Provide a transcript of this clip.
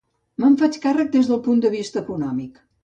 Me'n faig càrrec des del punt de vista econòmic.